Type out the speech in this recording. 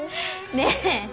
ねえ